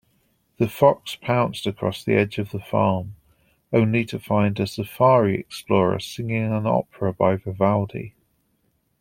The fox pounced across the edge of the farm, only to find a safari explorer singing an opera by Vivaldi.